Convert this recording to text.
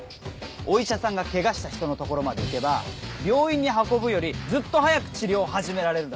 お医者さんがケガした人のところまで行けば病院に運ぶよりずっと早く治療を始められるだろ。